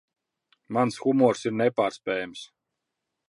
Mans humors ir nepārspējams.